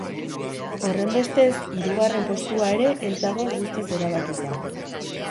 Horrenbestez, hirugarren postua ere ez dago guztiz erabakita.